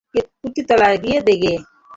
প্রতি তলায় গিয়ে গিয়ে।